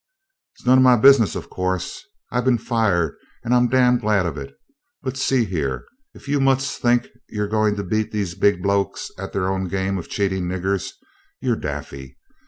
"It's none o' my business, of course. I've been fired and I'm damned glad of it. But see here: if you mutts think you're going to beat these big blokes at their own game of cheating niggers you're daffy.